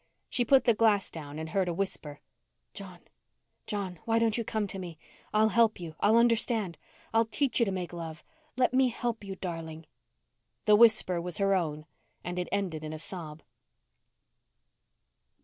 She put the glass down and heard a whisper: "John, John, why don't you come to me? I'll help you. I'll understand. I'll teach you to make love. Let me help you, darling." The whisper was her own and it ended in a sob.